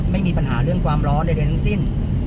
ไม่มีปัญหาเรื่องความร้อนใดทั้งสิ้น